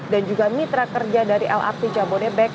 dan juga mitra kerja dari lrt cabo de bek